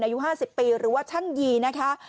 อายุห้าสิบปีหรือว่าช่างยี่นะคะ